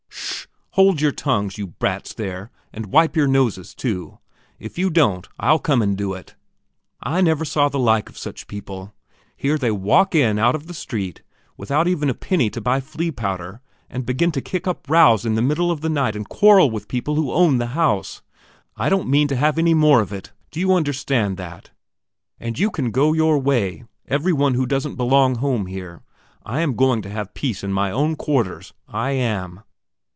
Sh h! Hold your tongues, you brats there, and wipe your noses, too; if you don't, I'll come and do it. I never saw the like of such people. Here they walk in out of the street, without even a penny to buy flea powder, and begin to kick up rows in the middle of the night and quarrel with the people who own the house, I don't mean to have any more of it, do you understand that? and you can go your way, every one who doesn't belong home here. I am going to have peace in my own quarters, I am."